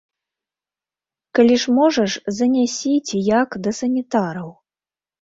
Калі ж можаш, занясі, ці як, да санітараў.